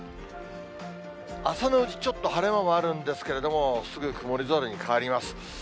朝のうち、ちょっと晴れ間もあるんですけれども、すぐ曇り空に変わります。